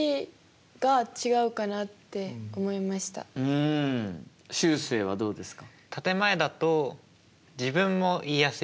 うんしゅうせいはどうですか？